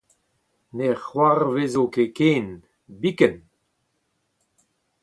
Ne c'hoarvezo ket ken, biken.